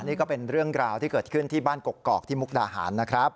นี่ก็เป็นเรื่องราวที่เกิดขึ้นที่บ้านกกอกที่มุกดาหารนะครับ